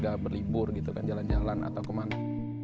kita nggak berlibur gitu kan jalan jalan atau kemana